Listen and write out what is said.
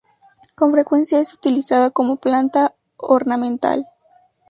Con frecuencia es utilizada como planta ornamental.